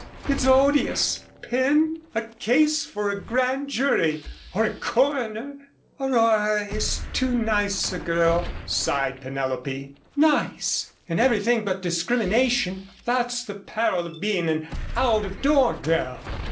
"It's odious, Pen, a case for a grand jury or a coroner!" "Aurora is too nice a girl," sighed Penelope. "Nice! In everything but discrimination. That's the peril of being an 'out of door girl.'